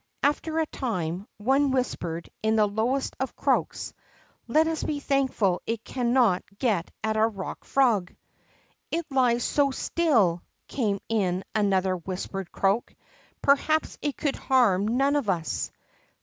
After a time, one whis pered, in the lowest of croaks: Let us be thankful it cannot get at our Rock Frog." It lies so still," came in another whispered croak, perhaps it could harm none of us."